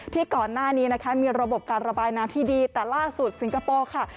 ก่อนหน้านี้นะคะมีระบบการระบายน้ำที่ดีแต่ล่าสุดสิงคโปร์ค่ะ